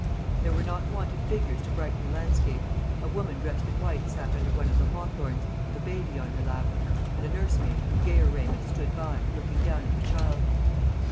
There were not wanted figures to brighten the landscape. A woman dressed in white sat under one of the hawthorns, with a baby on her lap; and a nursemaid, in gayer raiment, stood by, looking down at the child.